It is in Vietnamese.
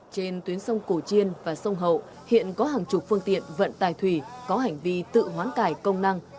trên tuyến sông cổ chiên và sông hậu hiện có hàng chục phương tiện vận tải thủy có hành vi tự hoán cải công năng